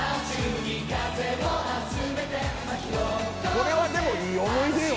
これはでもいい思い出よね。